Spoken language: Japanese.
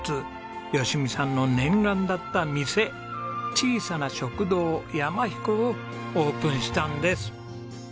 吉美さんの念願だった店小さな食堂山ひこをオープンしたんです。